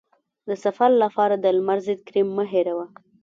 د سفر لپاره د لمر ضد کریم مه هېروه.